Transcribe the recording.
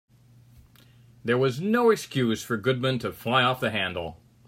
There was no excuse for Goodman to fly off the handle.